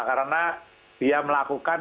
karena dia melakukan